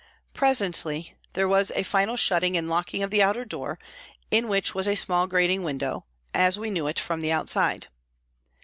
Presently there was a final shutting and locking of the outer door, in which was a small grating window, as we know it from the outside.